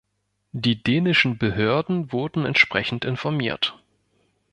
Die dänischen Behörden wurden entsprechend informiert.